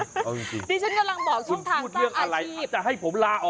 ดีที่จะกำลังบอกช่องทางสร้างอาชีพ